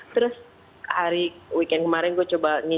terus hari weekend kemarin gue coba nih